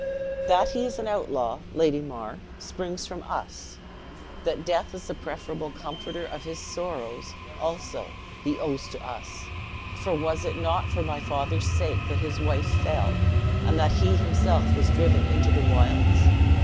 "That he is an outlaw, Lady Mar, springs from us. That death is the preferable comforter of his sorrows, also, he owes to us; for was it not for my father's sake that his wife fell, and that he himself was driven into the wilds?